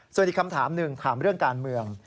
ส่วนอีกคำถามหนึ่งถามเรื่องการเมือง